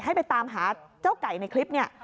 ให้ไปตามหาเจ้าไก่ในคลิปนี้